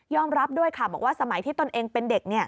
รับด้วยค่ะบอกว่าสมัยที่ตนเองเป็นเด็ก